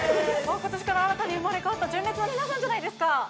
ことしから新たに生まれ変わった純烈の皆さんじゃないですか。